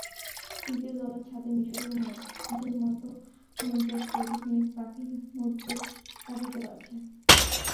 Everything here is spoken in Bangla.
তৃতীয় তলার ছাদে মিসরীয়দের মতো ব্রোঞ্জের তৈরি ফিনিক্স পাখির মূর্তি স্থাপিত রয়েছে।